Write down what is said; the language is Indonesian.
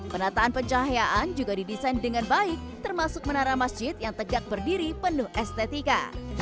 penataan pencahayaan juga didesain dengan baik termasuk menara masjid yang tegak berdiri penuh estetika